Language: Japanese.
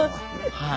はい。